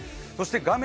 画面